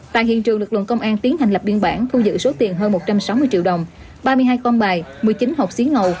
tại hiện trường lực lượng công an tiến hành lập biên bản thu giữ số tiền hơn một trăm sáu mươi triệu đồng ba mươi hai con bài một mươi chín hộp xí ngầu